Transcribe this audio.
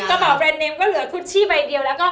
กระเป๋าแบรนดเนมก็เหลือคุชชี่ใบเดียวแล้วก็